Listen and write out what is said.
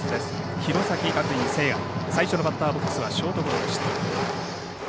弘前学院聖愛最初のバッターボックスはショートゴロでした。